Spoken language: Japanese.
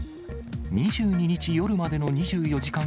２２日夜までの２４時間